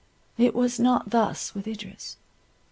It was not thus with Idris.